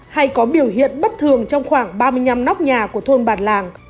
hay có biểu hiện bất thường trong khoảng ba mươi năm nóc nhà của thôn bản làng